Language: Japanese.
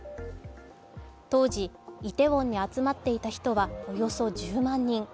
当時イテウォンに集まっていた人はおよそ１０万人。